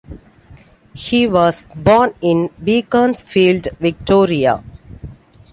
He was born in Beaconsfield, Victoria.